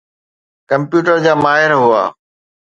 Computer جا ماهر هئا.